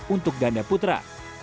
untuk ganda putra